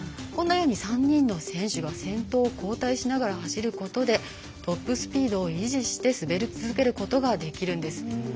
こんなように３人の選手が先頭を交代しながら走ることでトップスピードを維持して滑り続けることができるんです。